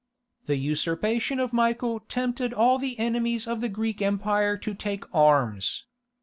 The usurpation of Michael tempted all the enemies of the Greek Empire to take arms.